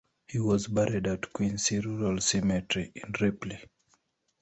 He was buried at Quincy Rural Cemetery in Ripley.